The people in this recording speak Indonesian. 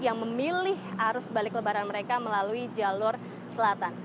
yang memilih arus balik lebaran mereka melalui jalur selatan